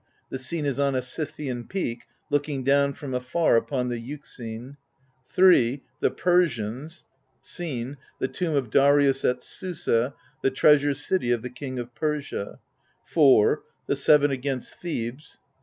The Scene is on a Scythian peak^ looking down from afar upon the Euxine. III. The Persians. Scene — The Tomb of Darius at Susa^ the treasure city of the King of Persia, IV. The Seven against Thebes.